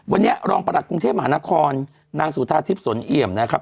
วันนี้รองประหลัดกรุงเทพมหานครนางสุธาทิพย์สนเอี่ยมนะครับ